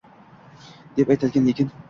deb aytilgan, lekin